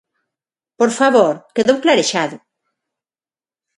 ¡Por favor!, quedou clarexado.